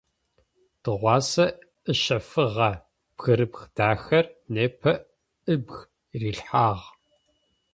Тыгъуасэ ыщэфыгъэ бгырыпх дахэр непэ ыбг рилъхьагъ.